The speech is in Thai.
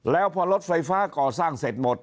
แล้วพอรถไฟฟ้าก่อสร้างเสร็จหมด